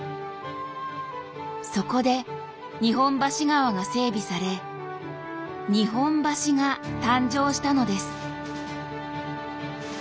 そこで日本橋川が整備され日本橋が誕生したのです。